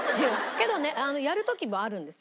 けどねやる時もあるんですよ。